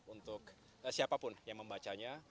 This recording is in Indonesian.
untuk siapapun yang membacanya